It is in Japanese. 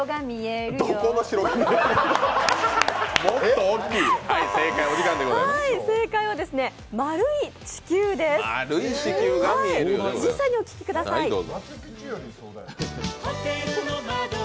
実際にお聴きください。